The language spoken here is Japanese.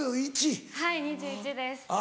はい２１です。